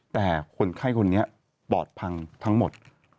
แต่คนไข้คนนี้ปอดพังทั้งหมด